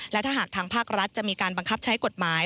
และถ้าหากทางภาครัฐจะมีการบังคับใช้กฎหมาย